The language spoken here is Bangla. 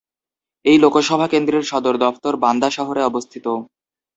এই লোকসভা কেন্দ্রের সদর দফতর বান্দা শহরে অবস্থিত।